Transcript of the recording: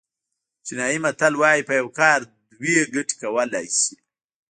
چینایي متل وایي په یو کار دوه ګټې کولای شي.